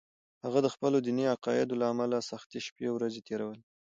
هغه د خپلو دیني عقایدو له امله سختې شپې ورځې تېرولې